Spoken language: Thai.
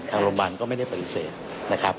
ทางโรงพยาบาลก็ไม่ได้ปฏิเสธนะครับ